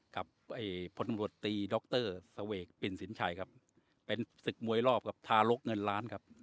กับพลตำรวจตีดรเสวกปิ่นสินชัยครับเป็นศึกมวยรอบกับทารกเงินล้านครับ